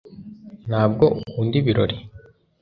ntabwo ukunda ibirori